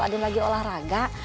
ada lagi olahraga